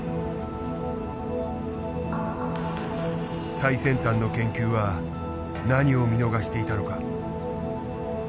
最先端の研究は何を見逃していたのか。